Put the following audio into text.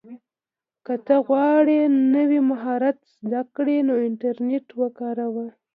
که ته غواړې نوی مهارت زده کړې نو انټرنیټ وکاروه.